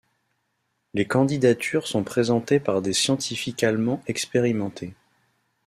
Les candidatures sont présentées par des scientifiques allemands expérimentés.